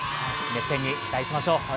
熱戦に期待しましょう。